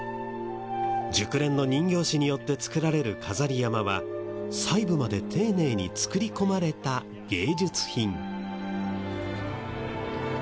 熟練の人形師によって作られる飾り山笠は細部まで丁寧に作り込まれた芸術品。